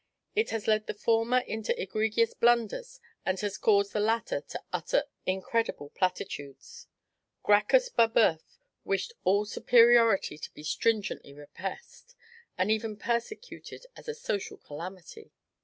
It has led the former into egregious blunders, and has caused the latter to utter incredible platitudes. Gracchus Babeuf wished all superiority to be STRINGENTLY REPRESSED, and even PERSECUTED AS A SOCIAL CALAMITY.